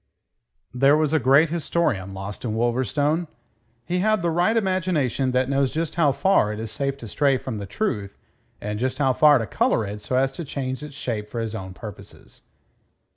There was a great historian lost in Wolverstone. He had the right imagination that knows just how far it is safe to stray from the truth and just how far to colour it so as to change its shape for his own purposes.